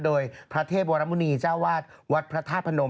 โดยพระเทพวรมุณีเจ้าวาดวัดพระธาตุพนม